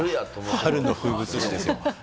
春の風物詩ですよ。